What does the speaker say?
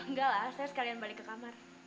enggak lah saya sekalian balik ke kamar